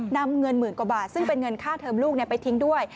นำเงินหมื่นกว่าบาทซึ่งเป็นเงินค่าเทอมลูกไปทิ้งด้วย